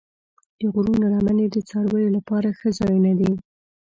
د غرونو لمنې د څارویو لپاره ښه ځایونه دي.